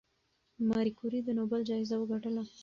ماري کوري د نوبل جایزه وګټله.